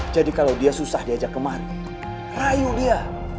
jadi kalau dia susah diajak ke rumah rayu dia